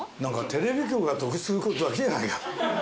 テレビ局が得することだけじゃないか。